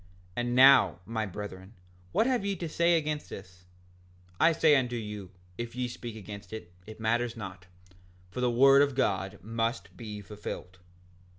And now, my brethren, what have ye to say against this? I say unto you, if ye speak against it, it matters not, for the word of God must be fulfilled.